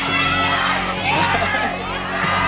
ได้ได้ได้